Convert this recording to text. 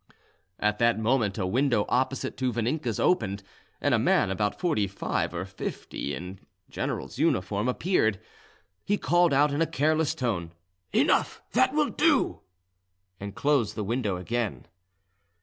At that moment a window opposite to Vaninka's opened, and a man about forty five or fifty in general's uniform appeared. He called out in a careless tone, "Enough, that will do," and closed the window again.